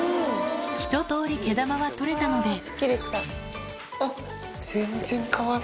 ひととおり毛玉は取れたのであっ。